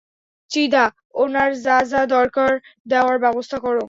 চিদা, ওনার যা যা দরকার দেওয়ার ব্যবস্থা কোরো।